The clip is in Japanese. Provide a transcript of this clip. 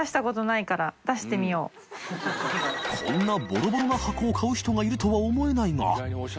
ボロボロな箱を買う人がいるとは思えないが箸蠅△┐